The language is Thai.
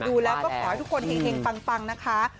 ดูแล้วก็ขอให้ทุกคนเฮงปังนะคะ